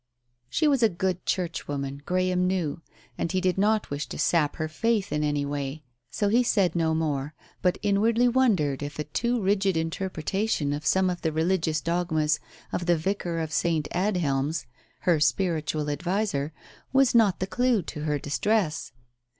She was a good Churchwoman, Graham knew, and he did not wish to sap her faith in any way, so he said no more, but inwardly wondered if a too rigid interpreta tion of some of the religious dogmas of the Vicar of St. Adhelm's, her spiritual adviser, was not the clue to her distress.